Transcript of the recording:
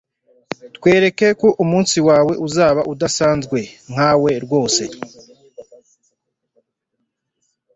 Twizere ko umunsi wawe uzaba udasanzwe nkawe rwose